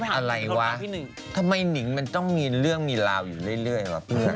อะไรวะทำไมหนิงมันต้องมีเรื่องมีราวอยู่เรื่อยวะเพื่อน